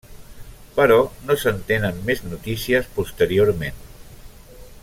Però no se'n tenen més notícies posteriorment.